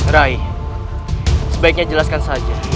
rai sebaiknya jelaskan saja